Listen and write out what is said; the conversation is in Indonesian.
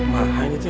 mahain itu ya